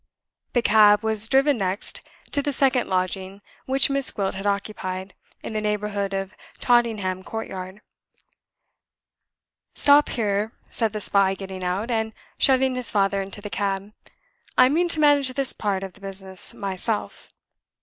The cab was driven next to the second lodging which Miss Gwilt had occupied, in the neighborhood of Tottenham Court Road. "Stop here," said the spy, getting out, and shutting his father into the cab. "I mean to manage this part of the business myself."